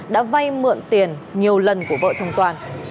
đã vay mượn tiền nhiều lần của vợ trong toàn